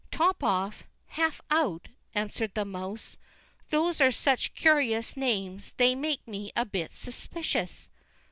"Top off! Half out!" answered the mouse; "those are such curious names, they make me a bit suspicious."